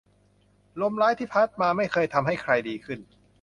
ลมร้ายที่พัดมาไม่เคยทำให้ใครดีขึ้น